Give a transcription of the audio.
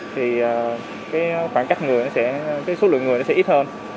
thì cái khoảng cách người nó sẽ cái số lượng người nó sẽ ít hơn